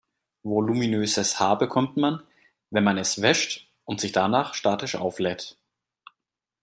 Voluminöses Haar bekommt man, wenn man es wäscht und sich danach statisch auflädt.